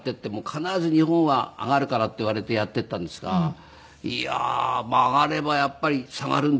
「必ず日本は上がるから」って言われてやっていったんですがいやー上がればやっぱり下がるんですね。